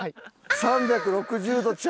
３６０度？